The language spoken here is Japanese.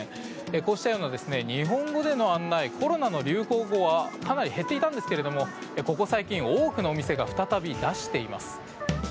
こうしたような日本語での案内コロナの流行後はかなり減っていたんですがここ最近、多くの店が再び出しています。